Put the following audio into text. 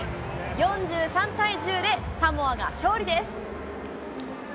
４３対１０でサモアが勝利です。